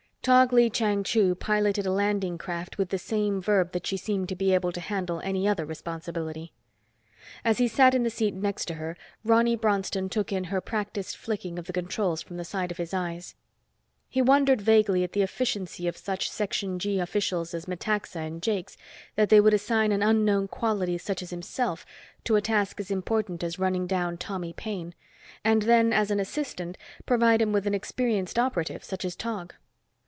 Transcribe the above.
Tog Lee Chang Chu piloted a landing craft with the same verve that she seemed to be able to handle any other responsibility. As he sat in the seat next to her, Ronny Bronston took in her practiced flicking of the controls from the side of his eyes. He wondered vaguely at the efficiency of such Section G officials as Metaxa and Jakes that they would assign an unknown quality such as himself to a task as important as running down Tommy Paine, and then as an assistant provide him with an experienced operative such as Tog.